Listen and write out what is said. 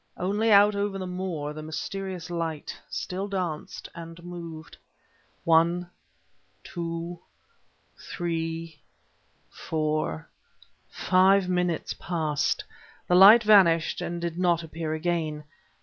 Only out over the moor the mysterious light still danced and moved. One two three four five minutes passed. The light vanished and did not appear again.